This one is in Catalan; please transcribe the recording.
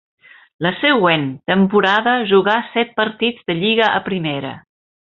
La següent temporada jugà set partits de lliga a Primera.